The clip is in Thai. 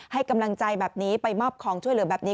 ให้กำลังใจแบบนี้ไปมอบของช่วยเหลือแบบนี้